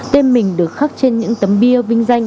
tên mình được khắc trên những tấm bia vinh danh